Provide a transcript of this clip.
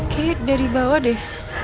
kayaknya dari bawah deh